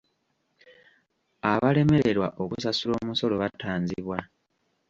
Abalemererwa okusasula omusolo batanzibwa.